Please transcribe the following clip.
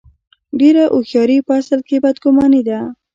ډېره هوښیاري په اصل کې بد ګماني ده.